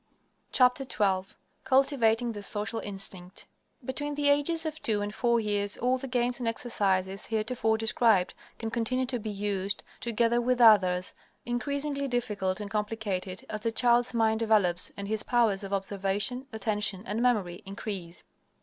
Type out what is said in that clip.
XII CULTIVATING THE SOCIAL INSTINCT Between the ages of two and four years all the games and exercises heretofore described can continue to be used, together with others increasingly difficult and complicated, as the child's mind develops and his powers of observation, attention, and memory increase.